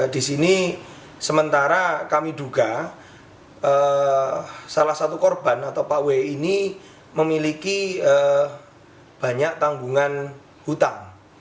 di sini sementara kami duga salah satu korban atau pak w ini memiliki banyak tanggungan hutang